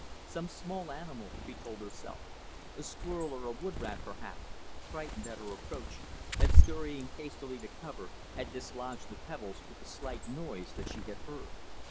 Some small animal, she told herself, a squirrel or a wood rat, perhaps, frightened at her approach, and scurrying hastily to cover, had dislodged the pebbles with the slight noise that she had heard.